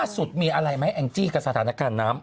สุดมีอะไรไหมแองจี้กับสถานการณ์น้ำ